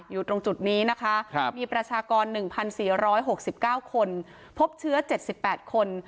อยู่ตรงจุดนี้นะคะมีประชากร๑๔๖๙คนพบเชื้อ๗๘คน